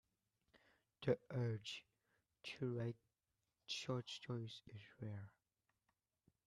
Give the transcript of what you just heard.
The urge to write short stories is rare.